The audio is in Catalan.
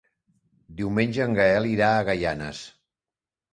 Diumenge en Gaël irà a Gaianes.